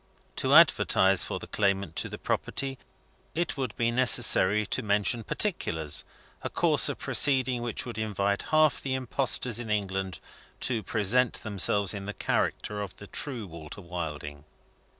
To advertise for the claimant to the property, it would be necessary to mention particulars a course of proceeding which would invite half the impostors in England to present themselves in the character of the true Walter Wilding.